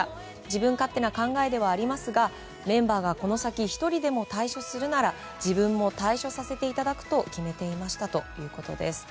自分勝手な考えではありますがメンバーがこの先１人でも退所するなら自分も退所させていただくと決めていましたということです。